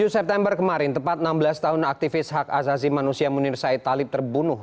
tujuh september kemarin tepat enam belas tahun aktivis hak azazi manusia munir said talib terbunuh